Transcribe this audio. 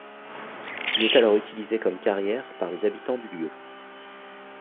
Il est alors utilisé comme carrière par les habitants du lieu.